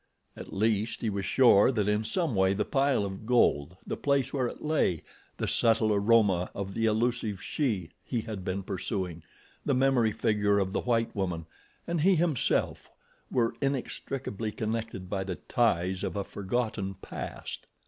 At least he was sure that in some way the pile of gold, the place where it lay, the subtle aroma of the elusive she he had been pursuing, the memory figure of the white woman, and he himself, were inextricably connected by the ties of a forgotten past.